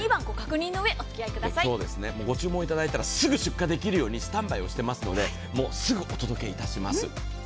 ご注文いただいたらすぐ出荷できるようにスタンバイしていますのでもう、すぐお届けいたします。